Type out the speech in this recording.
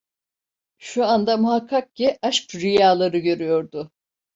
Şu anda muhakkak ki aşk rüyaları görüyordu.